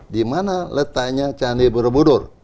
di mana letaknya candi borobudur